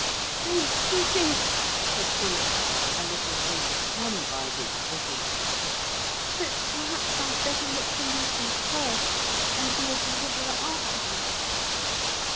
'Don't you think,' said Philip, a little overcome by this vivid picture, 'that perhaps I'd better look for Lucy first, and be a Deliverer afterwards?'